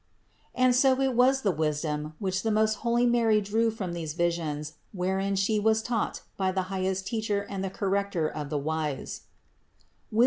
And so great was the wisdom, which the most holy Mary drew from these visions, wherein She was taught by the highest Teacher and the Corrector of the wise (Wis.